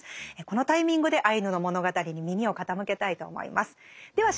このタイミングでアイヌの物語に耳を傾けたいと思います。